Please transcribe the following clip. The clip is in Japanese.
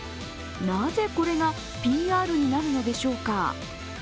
なぜ、これがＰＲになるのでしょうか